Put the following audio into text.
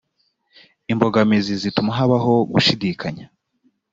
imbogamizi zituma habaho gushidikanya